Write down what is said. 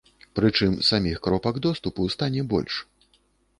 Прычым саміх кропак доступу стане больш.